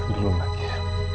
dulu lagi ya